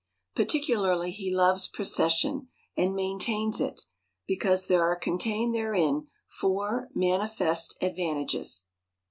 Particularly, he loves procession, and maintains it ; because there are contained therein four manifest advan tages.